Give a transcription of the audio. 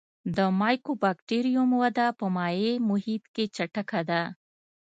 د مایکوبکټریوم وده په مایع محیط کې چټکه ده.